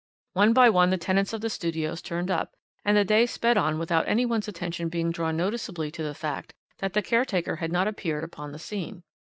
One by one the tenants of the studios turned up, and the day sped on without any one's attention being drawn noticeably to the fact that the caretaker had not appeared upon the scene.